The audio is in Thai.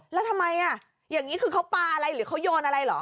แล้วทำไมอย่างนี้คือเขาปลาอะไรหรือเขาโยนอะไรเหรอ